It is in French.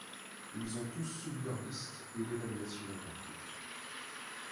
Ils ont tous soumis leur liste et l'évaluation est en cours.